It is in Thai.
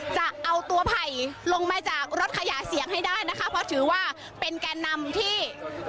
จะเอาตัวไผ่ลงมาจากรถขยายเสียงให้ได้นะคะเพราะถือว่าเป็นแก่นำที่